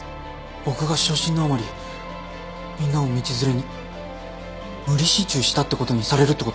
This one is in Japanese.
僕が傷心のあまりみんなを道連れに無理心中したってことにされるってこと？